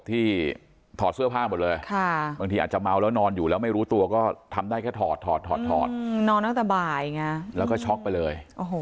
ถ้าไม่รู้ตัวก็ทำได้ก็ถอดนอนเอาแต่บ่ายอย่างงี้แล้วก็ช็อกไปเลย